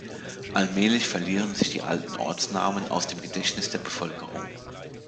Allmählich verlieren sich die alten Ortsnamen aus dem Gedächtnis der Bevölkerung.